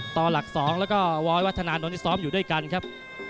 ต่อหลักสองและววิวัฒนานนด้วยกันครับ